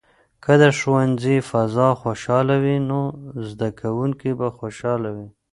که د ښوونځي فضا خوشحاله وي، نو زده کوونکي به خوشاله وي.